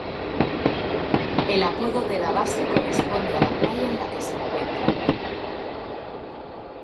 El apodo de la base corresponde a la playa en la que se encuentra.